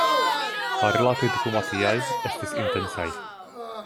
La rilatoj diplomatiaj estis intensaj.